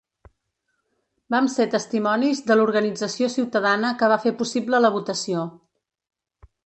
Vam ser testimonis de l’organització ciutadana que va fer possible la votació.